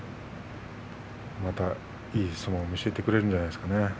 またいい相撲を見せてくれるんじゃないですかね。